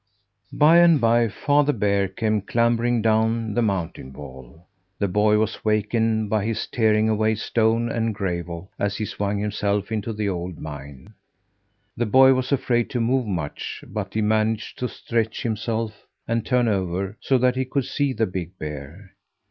By and by Father Bear came clambering down the mountain wall. The boy was wakened by his tearing away stone and gravel as he swung himself into the old mine. The boy was afraid to move much; but he managed to stretch himself and turn over, so that he could see the big bear.